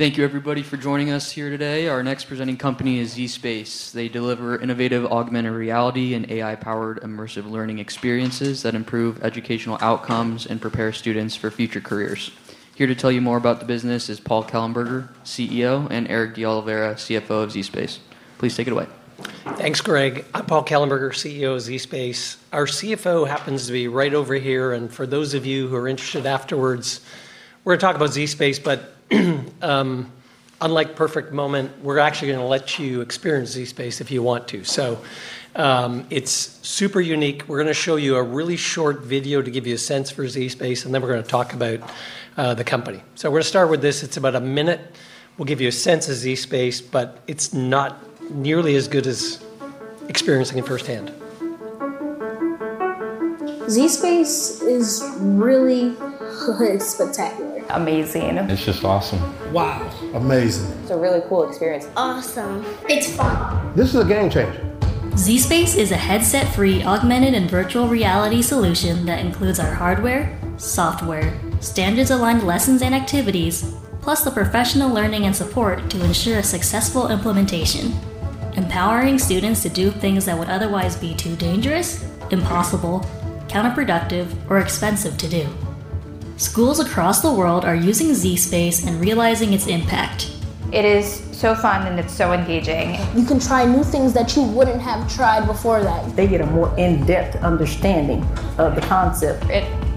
Thank you, everybody, for joining us here today. Our next presenting company is zSpace. They deliver innovative augmented reality and AI-powered immersive learning experiences that improve educational outcomes and prepare students for future careers. Here to tell you more about the business is Paul Kallenberger, CEO, and Eric DeOliveira, CFO of zSpace. Please take it away. Thanks, Greg. I'm Paul Kallenberger, CEO of zSpace. Our CFO happens to be right over here. For those of you who are interested afterwards, we're going to talk about zSpace, but unlike Perfect Moment, we're actually going to let you experience zSpace if you want to. It is super unique. We're going to show you a really short video to give you a sense for zSpace, and then we're going to talk about the company. We're going to start with this. It's about a minute. We'll give you a sense of zSpace, but it's not nearly as good as experiencing it firsthand. zSpace is really good. It's amazing. It's just awesome. Wow. Amazing. It's a really cool experience. Awesome. It's fun. This is a game changer. zSpace is a headset-free augmented and virtual reality solution that includes our hardware, software, standards-aligned lessons and activities, plus the professional learning and support to ensure a successful implementation, empowering students to do things that would otherwise be too dangerous, impossible, counterproductive, or expensive to do. Schools across the world are using zSpace and realizing its impact. It is so fun, and it's so engaging. You can try new things that you wouldn't have tried before that. They get a more in-depth understanding of the concept.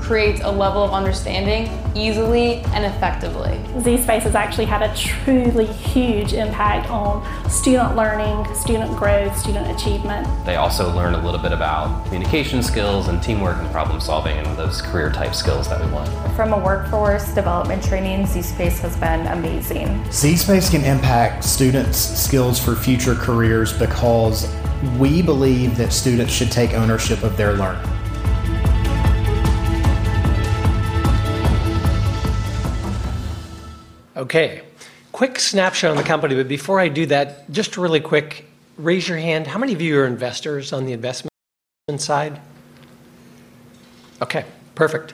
It creates a level of understanding easily and effectively. zSpace has actually had a truly huge impact on student learning, student growth, student achievement. They also learn a little bit about communication skills, teamwork, and problem-solving, and those career-type skills that we want. From a workforce development training, zSpace has been amazing. zSpace can impact students' skills for future careers because we believe that students should take ownership of their learning. Quick snapshot on the company, but before I do that, just really quick, raise your hand. How many of you are investors on the investment side? Perfect.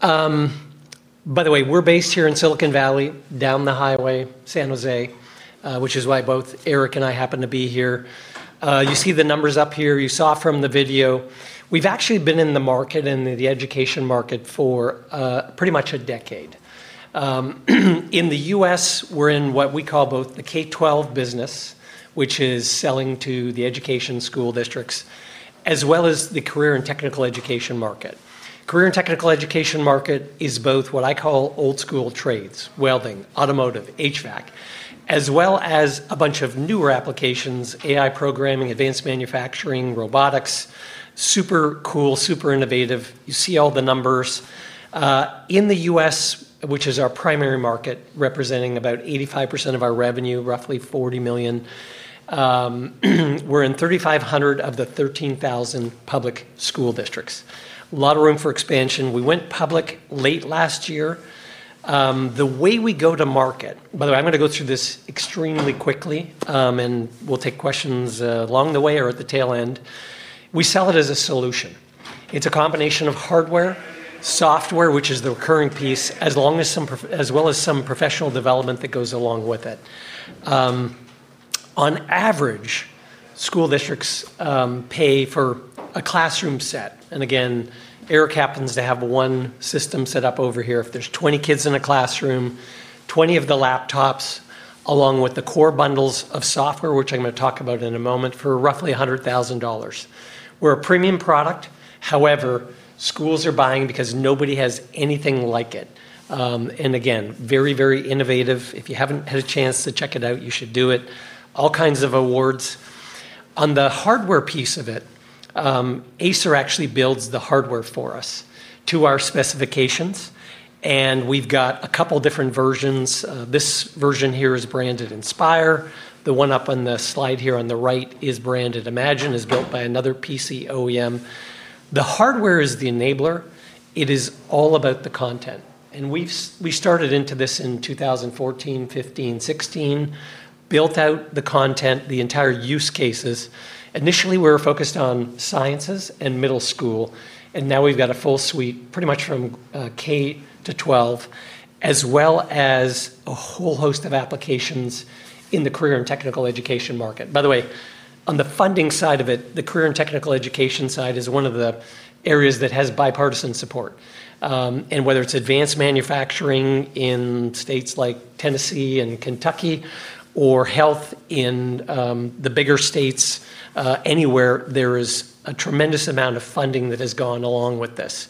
By the way, we're based here in Silicon Valley, down the highway, San Jose, which is why both Eric and I happen to be here. You see the numbers up here. You saw from the video, we've actually been in the market and the education market for pretty much a decade. In the U.S., we're in what we call both the K-12 business, which is selling to the education school districts, as well as the career and technical education market. Career and technical education market is both what I call old school trades, welding, automotive, HVAC, as well as a bunch of newer applications, AI programming, advanced manufacturing, robotics, super cool, super innovative. You see all the numbers. In the U.S., which is our primary market, representing about 85% of our revenue, roughly $40 million, we're in 3,500 of the 13,000 public school districts. A lot of room for expansion. We went public late last year. The way we go to market, by the way, I'm going to go through this extremely quickly, and we'll take questions along the way or at the tail end. We sell it as a solution. It's a combination of hardware, software, which is the recurring piece, as well as some professional development that goes along with it. On average, school districts pay for a classroom set, and again, Eric happens to have one system set up over here. If there's 20 kids in a classroom, 20 of the laptops, along with the core bundles of software, which I'm going to talk about in a moment, for roughly $100,000. We're a premium product. However, schools are buying because nobody has anything like it. Very, very innovative. If you haven't had a chance to check it out, you should do it. All kinds of awards. On the hardware piece of it, Acer actually builds the hardware for us to our specifications, and we've got a couple different versions. This version here is branded Inspire. The one up on the slide here on the right is branded Imagine, is built by another PC OEM. The hardware is the enabler. It is all about the content. We started into this in 2014, 2015, 2016, built out the content, the entire use cases. Initially, we were focused on sciences and middle school, and now we've got a full suite pretty much from K-12, as well as a whole host of applications in the career and technical education market. By the way, on the funding side of it, the career and technical education side is one of the areas that has bipartisan support. Whether it's advanced manufacturing in states like Tennessee and Kentucky, or health in the bigger states, anywhere, there is a tremendous amount of funding that has gone along with this.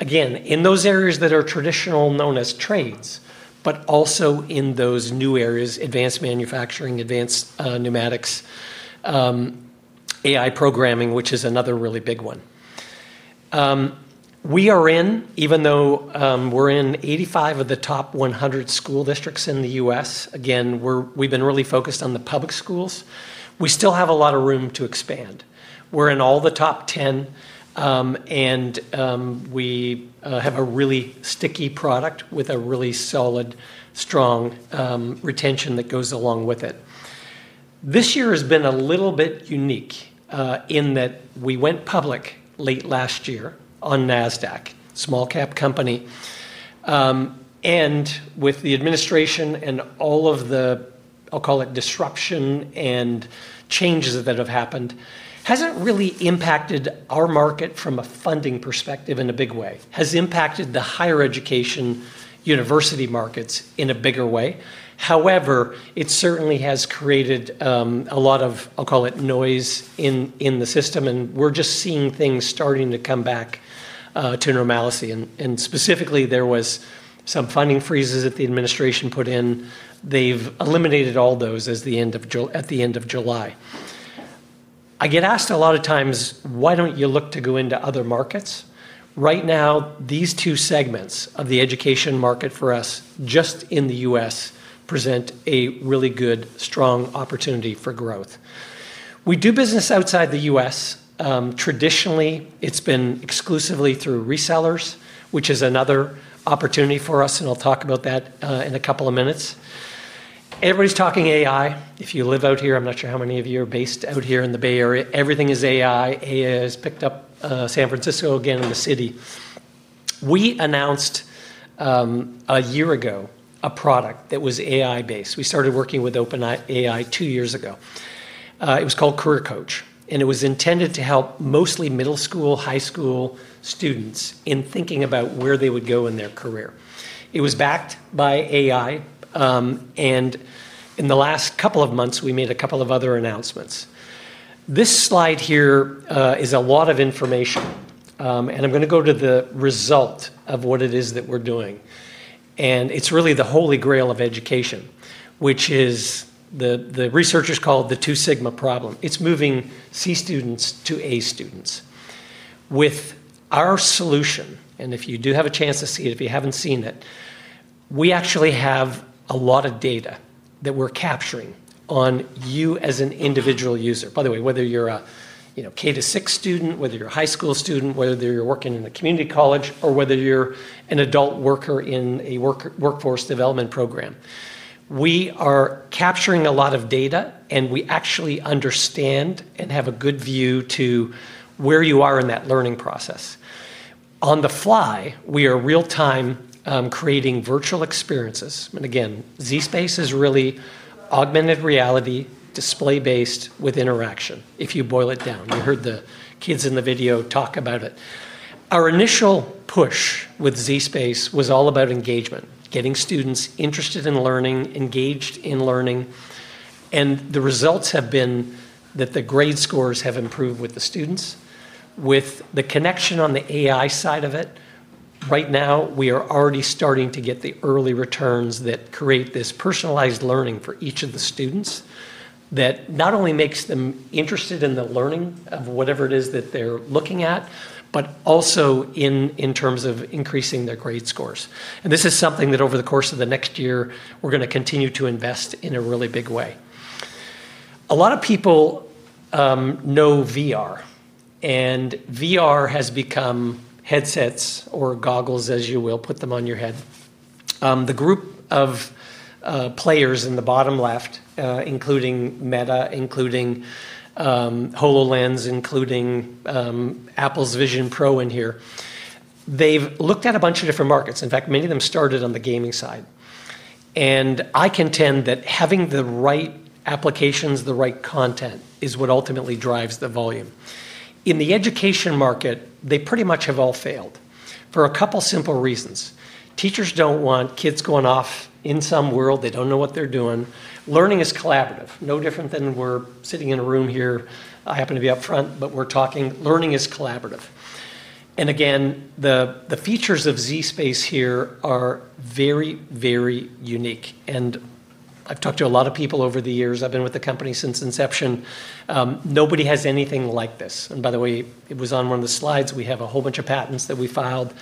In those areas that are traditionally known as trades, but also in those new areas, advanced manufacturing, advanced pneumatics, AI programming, which is another really big one. We are in, even though we're in 85 of the top 100 school districts in the U.S., we've been really focused on the public schools. We still have a lot of room to expand. We're in all the top 10, and we have a really sticky product with a really solid, strong retention that goes along with it. This year has been a little bit unique in that we went public late last year on NASDAQ, small-cap company, and with the administration and all of the, I'll call it, disruption and changes that have happened, hasn't really impacted our market from a funding perspective in a big way. Has impacted the higher education university markets in a bigger way. However, it certainly has created a lot of, I'll call it, noise in the system, and we're just seeing things starting to come back to normalcy. Specifically, there were some funding freezes that the administration put in. They've eliminated all those at the end of July. I get asked a lot of times, why don't you look to go into other markets? Right now, these two segments of the education market for us, just in the U.S., present a really good, strong opportunity for growth. We do business outside the U.S. Traditionally, it's been exclusively through resellers, which is another opportunity for us, and I'll talk about that in a couple of minutes. Everybody's talking AI. If you live out here, I'm not sure how many of you are based out here in the Bay Area. Everything is AI. AI has picked up San Francisco again in the city. We announced a year ago a product that was AI-based. We started working with OpenAI two years ago. It was called Career Coach, and it was intended to help mostly middle school, high school students in thinking about where they would go in their career. It was backed by AI, and in the last couple of months, we made a couple of other announcements. This slide here is a lot of information, and I'm going to go to the result of what it is that we're doing. It's really the holy grail of education, which is the researchers call it the two sigma problem. It's moving C students to A students. With our solution, and if you do have a chance to see it, if you haven't seen it, we actually have a lot of data that we're capturing on you as an individual user. By the way, whether you're a K-6 student, whether you're a high school student, whether you're working in a community college, or whether you're an adult worker in a workforce development program, we are capturing a lot of data, and we actually understand and have a good view to where you are in that learning process. On the fly, we are real-time creating virtual experiences. zSpace is really augmented reality, display-based with interaction, if you boil it down. You heard the kids in the video talk about it. Our initial push with zSpace was all about engagement, getting students interested in learning, engaged in learning. The results have been that the grade scores have improved with the students. With the connection on the AI side of it, right now, we are already starting to get the early returns that create this personalized learning for each of the students that not only makes them interested in the learning of whatever it is that they're looking at, but also in terms of increasing their grade scores. This is something that over the course of the next year, we're going to continue to invest in a really big way. A lot of people know VR, and VR has become headsets or goggles, as you will put them on your head. The group of players in the bottom left, including Meta, including HoloLens, including Apple's Vision Pro in here, they've looked at a bunch of different markets. In fact, many of them started on the gaming side. I contend that having the right applications, the right content is what ultimately drives the volume. In the education market, they pretty much have all failed for a couple of simple reasons. Teachers don't want kids going off in some world. They don't know what they're doing. Learning is collaborative, no different than we're sitting in a room here. I happen to be up front, but we're talking. Learning is collaborative. The features of zSpace here are very, very unique. I've talked to a lot of people over the years. I've been with the company since inception. Nobody has anything like this. By the way, it was on one of the slides. We have a whole bunch of patents that we filed.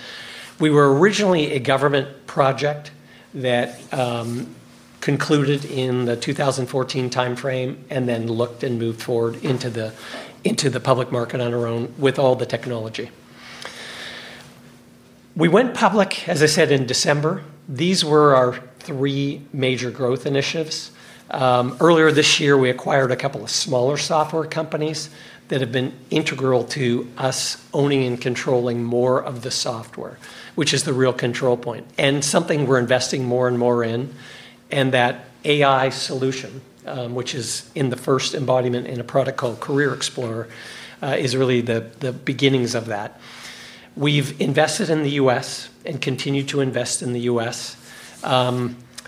We were originally a government project that concluded in the 2014 timeframe and then looked and moved forward into the public market on our own with all the technology. We went public, as I said, in December. These were our three major growth initiatives. Earlier this year, we acquired a couple of smaller software companies that have been integral to us owning and controlling more of the software, which is the real control point. Something we're investing more and more in, and that AI solution, which is in the first embodiment in a product called Career Explorer, is really the beginnings of that. We've invested in the U.S. and continue to invest in the U.S.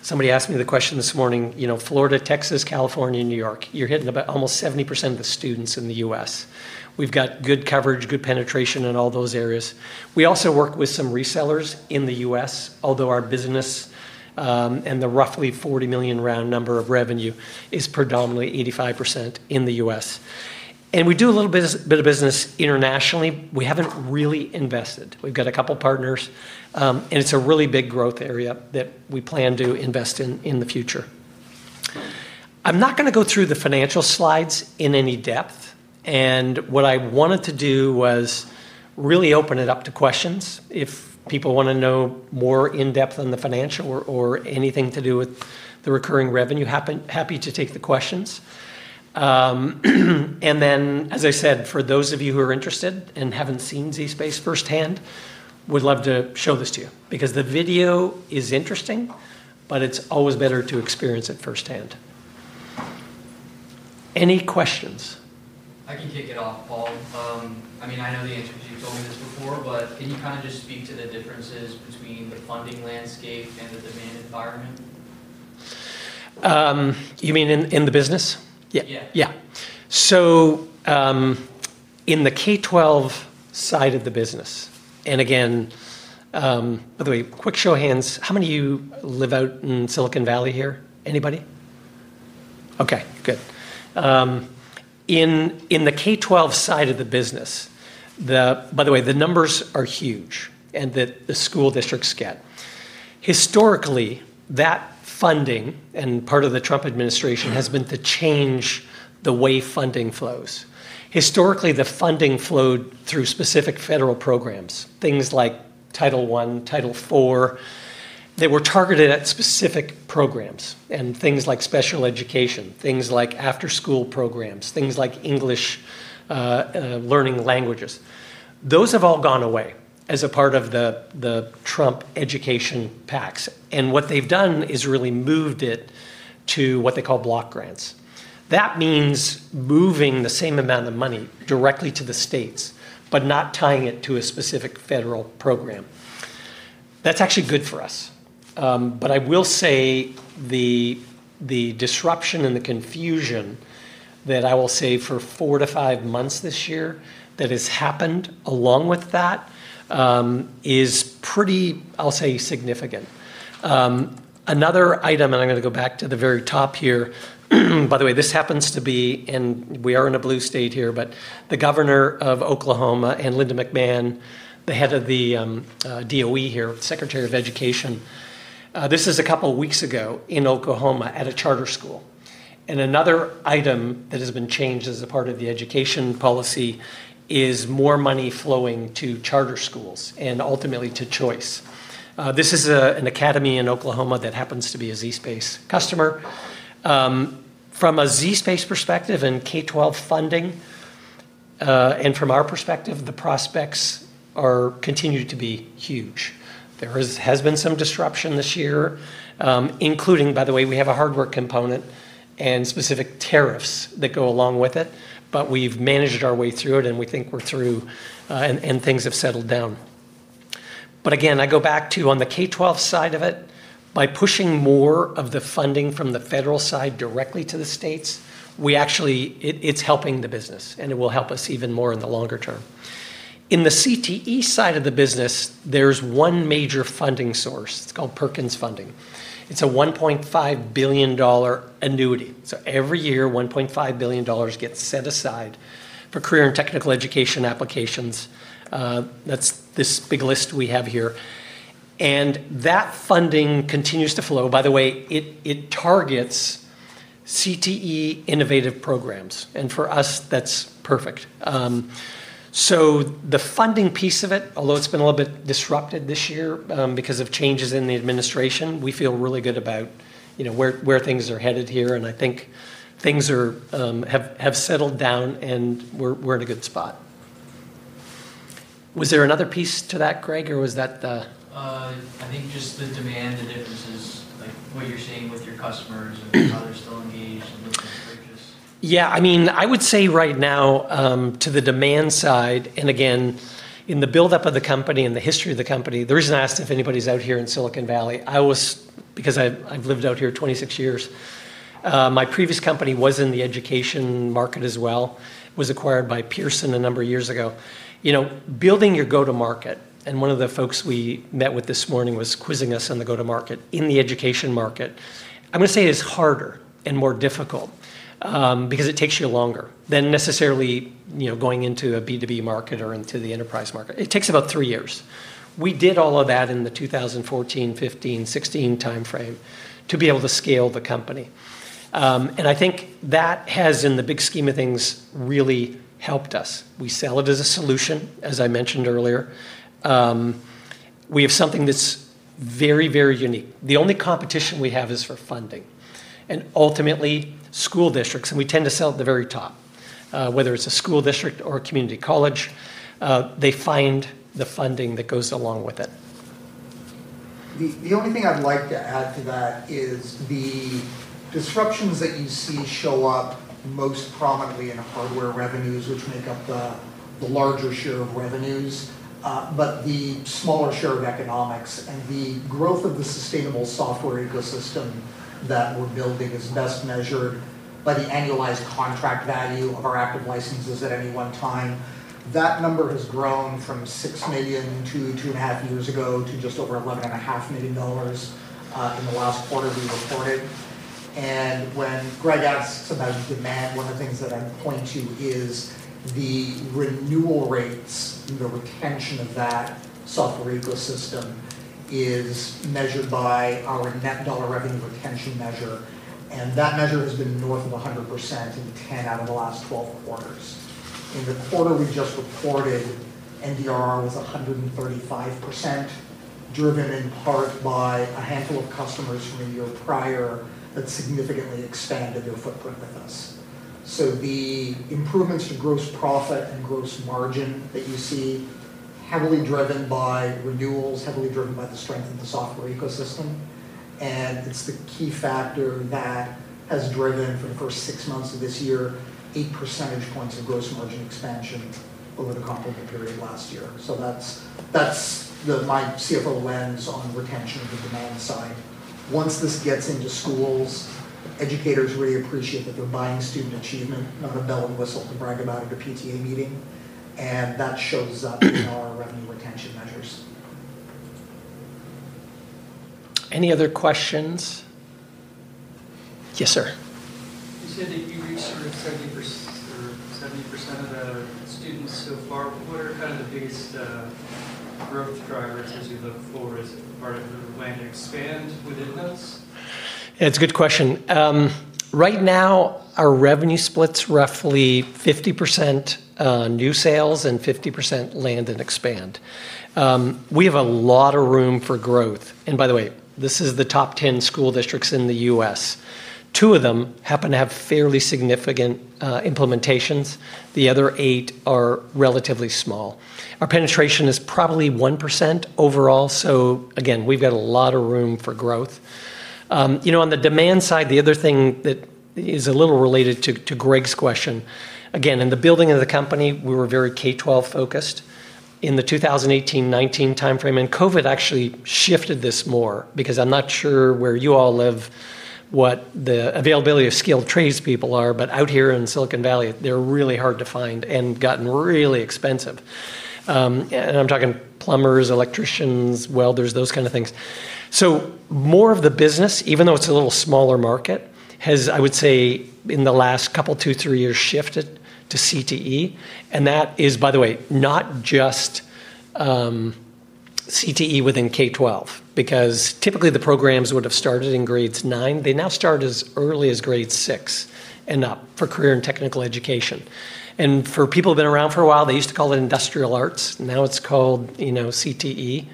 Somebody asked me the question this morning, you know, Florida, Texas, California, and New York. You're hitting about almost 70% of the students in the U.S. We've got good coverage, good penetration in all those areas. We also work with some resellers in the U.S., although our business and the roughly $40 million round number of revenue is predominantly 85% in the U.S. We do a little bit of business internationally. We haven't really invested. We've got a couple partners, and it's a really big growth area that we plan to invest in in the future. I'm not going to go through the financial slides in any depth. What I wanted to do was really open it up to questions. If people want to know more in depth on the financial or anything to do with the recurring revenue, happy to take the questions. As I said, for those of you who are interested and haven't seen zSpace firsthand, would love to show this to you because the video is interesting, but it's always better to experience it firsthand. Any questions? I can kick it off, Paul. I mean, I know the answer because you've told me this before, but can you kind of just speak to the differences between the funding landscape and our... You mean in the business? Yeah. Yeah. In the K-12 side of the business, by the way, quick show of hands, how many of you live out in Silicon Valley here? Anybody? Okay, good. In the K-12 side of the business, by the way, the numbers are huge that the school districts get. Historically, that funding, and part of the Trump administration has been to change the way funding flows. Historically, the funding flowed through specific federal programs, things like Title I, Title IV, that were targeted at specific programs, and things like special education, things like after-school programs, things like English learning languages. Those have all gone away as a part of the Trump education PACs. What they've done is really moved it to what they call block grants. That means moving the same amount of money directly to the states, but not tying it to a specific federal program. That's actually good for us. I will say the disruption and the confusion that I will say for four to five months this year that has happened along with that is pretty, I'll say, significant. Another item, and I'm going to go back to the very top here. By the way, this happens to be, and we are in a blue state here, but the governor of Oklahoma and Linda McMahon, the head of the DOE here, Secretary of Education, this is a couple of weeks ago in Oklahoma at a charter school. Another item that has been changed as a part of the education policy is more money flowing to charter schools and ultimately to choice. This is an academy in Oklahoma that happens to be a zSpace customer. From a zSpace perspective and K-12 funding, and from our perspective, the prospects continue to be huge. There has been some disruption this year, including, by the way, we have a hardware component and specific tariffs that go along with it, but we've managed our way through it, and we think we're through, and things have settled down. I go back to on the K-12 side of it, by pushing more of the funding from the federal side directly to the states, it's helping the business, and it will help us even more in the longer term. In the CTE side of the business, there's one major funding source. It's called Perkins funding. It's a $1.5 billion annuity. Every year, $1.5 billion gets set aside for career and technical education applications. That's this big list we have here. That funding continues to flow. By the way, it targets CTE innovative programs. For us, that's perfect. The funding piece of it, although it's been a little bit disrupted this year because of changes in the administration, we feel really good about where things are headed here. I think things have settled down, and we're at a good spot. Was there another piece to that, Greg, or was that the... I think just the demand is like what you're seeing with your customers and how they're selling. Yeah, I mean, I would say right now to the demand side, and again, in the buildup of the company and the history of the company, the reason I asked if anybody's out here in Silicon Valley, I was, because I've lived out here 26 years, my previous company was in the education market as well. It was acquired by Pearson a number of years ago. You know, building your go-to-market, and one of the folks we met with this morning was quizzing us on the go-to-market in the education market. I'm going to say it is harder and more difficult because it takes you longer than necessarily going into a B2B market or into the enterprise market. It takes about three years. We did all of that in the 2014, 2015, 2016 timeframe to be able to scale the company. I think that has, in the big scheme of things, really helped us. We sell it as a solution, as I mentioned earlier. We have something that's very, very unique. The only competition we have is for funding. Ultimately, school districts, and we tend to sell at the very top, whether it's a school district or a community college, they find the funding that goes along with it. The only thing I'd like to add to that is the disruptions that you see show up most prominently in hardware revenues, which make up the larger share of revenues, but the smaller share of economics, and the growth of the sustainable software ecosystem that we're building is best measured by the annualized contract value of our active licenses at any one time. That number has grown from $6 million two and a half years ago to just over $11.5 million in the last quarter due to report it. When Greg asks about demand, one of the things that I point to is the renewal rates. The retention of that software ecosystem is measured by our net dollar revenue retention measure. That measure has been north of 100% in 10 out of the last 12 quarters. In the quarter we just reported, NDR was 135%, driven in part by a handful of customers from a year prior that significantly expanded their footprint with us. The improvements to gross profit and gross margin that you see are heavily driven by renewals, heavily driven by the strength of the software ecosystem. It's the key factor that has driven, for the first six months of this year, 8 percentage points of gross margin expansion over the company period last year. That's my CFO lens on retention of the demand side. Once this gets into schools, educators really appreciate that they're buying student achievement, not a bell and whistle to brag about at a PTA meeting. That shows up in our revenue retention measures. Any other questions? Yes, sir. You said that you recently studied 70% of the students so far. What are kind of the biggest growth drivers as you look for as part of the way to expand within those? It's a good question. Right now, our revenue splits roughly 50% new sales and 50% land and expand. We have a lot of room for growth. By the way, this is the top 10 school districts in the U.S. Two of them happen to have fairly significant implementations. The other eight are relatively small. Our penetration is probably 1% overall. Again, we've got a lot of room for growth. On the demand side, the other thing that is a little related to Greg's question, in the building of the company, we were very K-12 focused in the 2018-2019 timeframe. COVID actually shifted this more because I'm not sure where you all live, what the availability of skilled tradespeople are, but out here in Silicon Valley, they're really hard to find and gotten really expensive. I'm talking plumbers, electricians, welders, those kind of things. More of the business, even though it's a little smaller market, has, I would say, in the last couple, two, three years, shifted to career and technical education (CTE). That is, by the way, not just CTE within K-12, because typically the programs would have started in grades nine. They now start as early as grade six and up for career and technical education. For people who've been around for a while, they used to call it industrial arts. Now it's called CTE.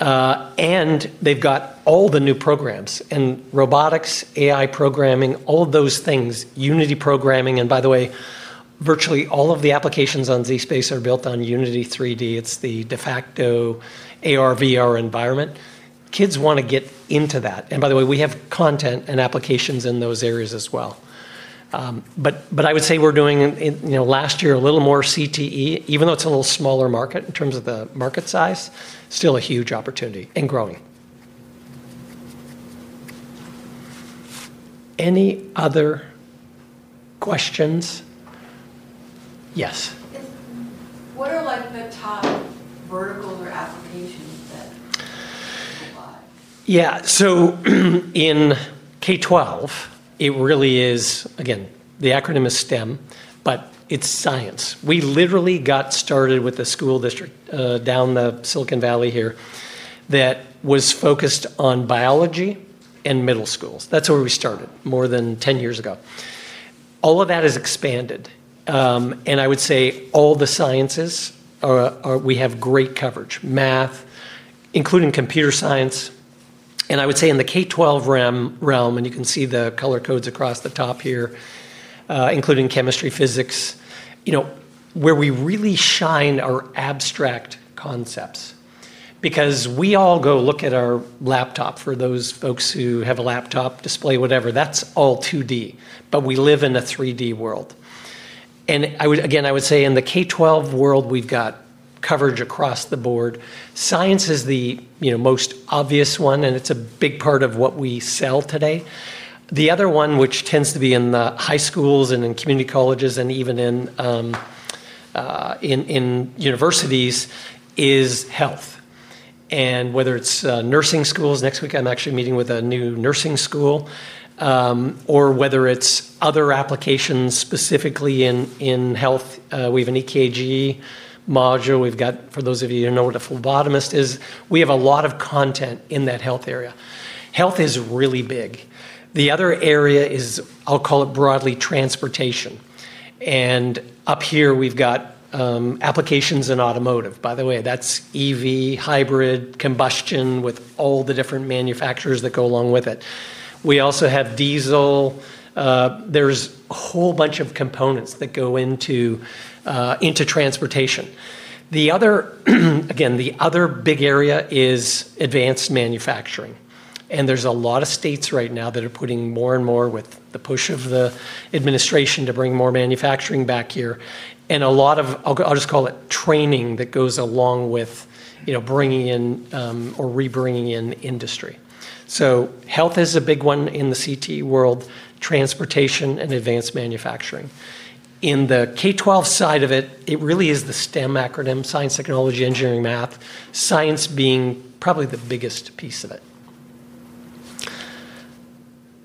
They've got all the new programs in robotics, AI programming, all of those things, Unity programming. By the way, virtually all of the applications on zSpace are built on Unity 3D. It's the de facto AR/VR environment. Kids want to get into that. By the way, we have content and applications in those areas as well. I would say we're doing, last year, a little more CTE, even though it's a little smaller market in terms of the market size, still a huge opportunity and growing. Any other questions? Yes. What are the top... Yeah, so in K-12, it really is, again, the acronym is STEM, but it's science. We literally got started with a school district down the Silicon Valley here that was focused on biology and middle schools. That's where we started more than 10 years ago. All of that has expanded. I would say all the sciences, we have great coverage, math, including computer science. I would say in the K-12 realm, and you can see the color codes across the top here, including chemistry, physics, where we really shine are abstract concepts. We all go look at our laptop for those folks who have a laptop display, whatever, that's all 2D, but we live in a 3D world. I would say in the K-12 world, we've got coverage across the board. Science is the most obvious one, and it's a big part of what we sell today. The other one, which tends to be in the high schools and in community colleges and even in universities, is health. Whether it's nursing schools, next week I'm actually meeting with a new nursing school, or whether it's other applications specifically in health. We have an EKG module. For those of you who don't know what a phlebotomist is, we have a lot of content in that health area. Health is really big. The other area is, I'll call it broadly, transportation. Up here, we've got applications in automotive. By the way, that's EV, hybrid, combustion with all the different manufacturers that go along with it. We also have diesel. There's a whole bunch of components that go into transportation. The other big area is advanced manufacturing. There are a lot of states right now that are putting more and more with the push of the administration to bring more manufacturing back here. A lot of, I'll just call it training that goes along with bringing in or re-bringing in industry. Health is a big one in the CTE world, transportation, and advanced manufacturing. In the K-12 side of it, it really is the STEM acronym: science, technology, engineering, math, science being probably the biggest piece of it.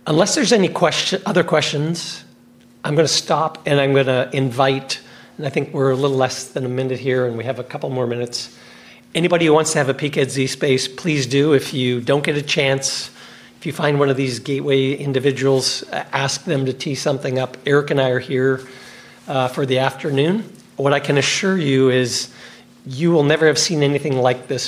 Unless there's any other questions, I'm going to stop and I'm going to invite, and I think we're a little less than a minute here and we have a couple more minutes. Anybody who wants to have a peek at zSpace, please do. If you don't get a chance, if you find one of these gateway individuals, ask them to tee something up. Eric and I are here for the afternoon. What I can assure you is you will never have seen anything like this.